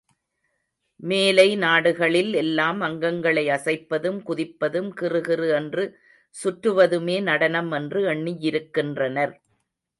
மேலை நாடுகளில் எல்லாம் அங்கங்களை அசைப்பதும், குதிப்பதும், கிறுகிறு என்று சுற்றுவதுமே நடனம் என்று எண்ணியிருக்கின்றனர்.